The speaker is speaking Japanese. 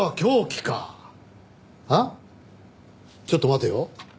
ちょっと待てよ。